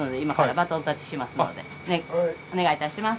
お願いいたします。